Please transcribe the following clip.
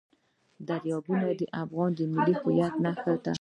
دریابونه د افغانستان د ملي هویت نښه ده.